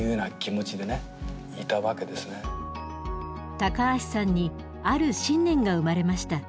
高橋さんにある信念が生まれました。